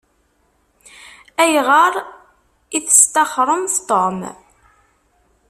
Ayɣer i testaxṛemt Tom?